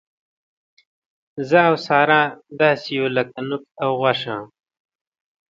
زه او ساره داسې یو لک نوک او غوښه.